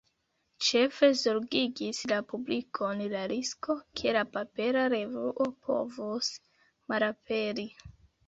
Ĉefe zorgigis la publikon la risko, ke la papera revuo povos malaperi.